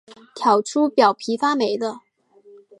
挑出表皮发霉的